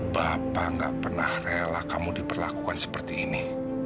bapak gak pernah rela kamu diperlakukan seperti ini